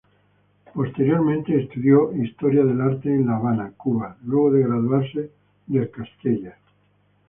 Posteriormente estudió Historia del Arte en La Habana, Cuba, luego de graduarse del Castella.